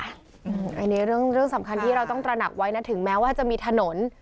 อันนี้เรื่องสำคัญที่เราต้องตระหนักไว้นะถึงแม้ว่าจะมีถนน